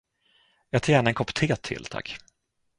Jag tar gärna en kopp te till, tack!